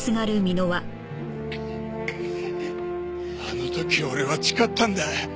あの時俺は誓ったんだ。